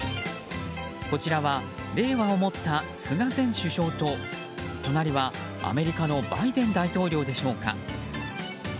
こちらは、「令和」を持った菅前首相と隣はアメリカのバイデン大統領でしょうか。